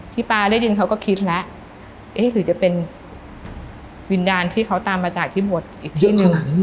ป๊าได้ยินเขาก็คิดแล้วเอ๊ะหรือจะเป็นวิญญาณที่เขาตามมาจากที่บวชอีกที่หนึ่ง